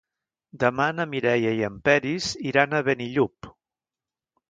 Demà na Mireia i en Peris iran a Benillup.